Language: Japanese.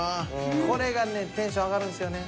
これがねテンション上がるんですよね。